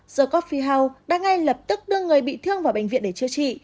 the coffee house đã ngay lập tức đưa người bị thương vào bệnh viện để chữa trị